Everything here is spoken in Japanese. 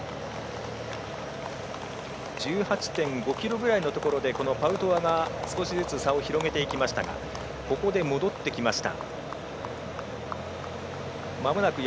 １８．５ｋｍぐらいでパウトワが差を広げてきましたがここで戻ってきました。